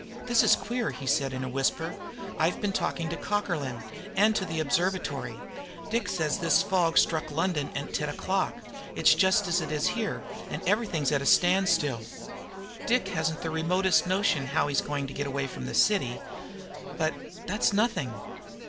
"This is queer!" he said, in a whisper. "I've been talking to Cockerlyne and to the Observatory. Dick says this fog struck London at ten o'clock. It's just there as it is here, and everything's at a standstill. Dick hasn't the remotest notion how he's going to get away from the city. But that's nothing.